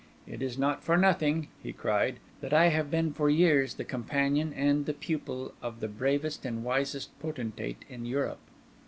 It is not for nothing," he cried, "that I have been for years the companion and the pupil of the bravest and wisest potentate in Europe."